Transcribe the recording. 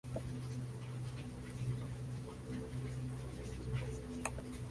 Estudia Ciencias naturales en la Universidad de San Petersburgo.